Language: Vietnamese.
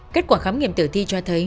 kết quả khám nghiệm tử thi cho thấy